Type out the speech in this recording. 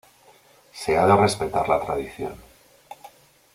Se ha de respetar la tradición.